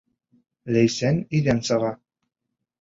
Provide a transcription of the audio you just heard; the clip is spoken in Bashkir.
Ләйсән өйҙән сыға.